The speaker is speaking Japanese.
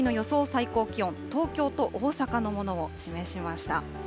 最高気温、東京と大阪のものを示しました。